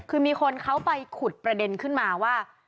คือมีคนเขาไปขุดประเด็นขึ้นมาว่า